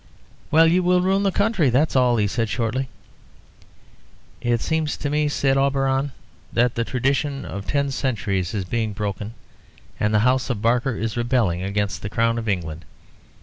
"Well, you will ruin the country, that's all," he said shortly. "It seems to me," said Auberon, "that the tradition of ten centuries is being broken, and the House of Barker is rebelling against the Crown of England.